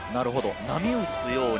波打つように？